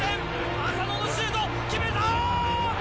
浅野のシュート、決めた。